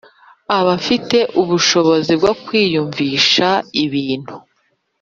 bafite ubushobozi bwo kwiyumvisha ibintu.